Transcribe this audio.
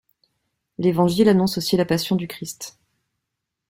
L'évangile annonce aussi la Passion du Christ.